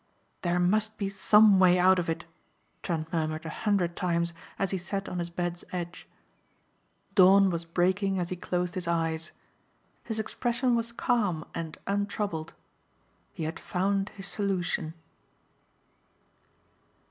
"There must be some way out of it," Trent murmured a hundred times as he sat on his bed's edge. Dawn was breaking as he closed his eyes. His expression was calm and untroubled. He had found his solution.